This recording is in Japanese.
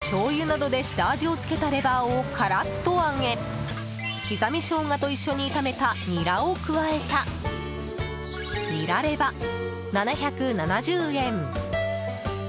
しょうゆなどで下味をつけたレバーをカラッと揚げ刻みショウガと一緒に炒めたニラを加えたニラレバ、７７０円。